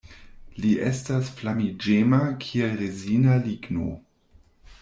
Li estas flamiĝema kiel rezina ligno.